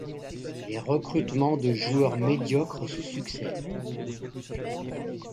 Les recrutements de joueurs médiocres se succèdent.